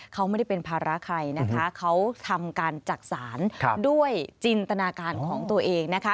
เขาไม่ได้เป็นภาระใครนะคะเขาทำการจักษานด้วยจินตนาการของตัวเองนะคะ